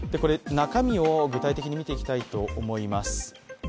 中身を具体的に見ていきたいと思います。